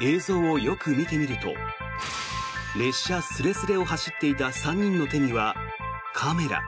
映像をよく見てみると列車すれすれを走っていた３人の手にはカメラ。